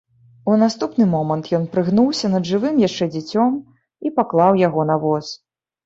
У наступны момант ён прыгнуўся над жывым яшчэ дзіцем і паклаў яго на воз.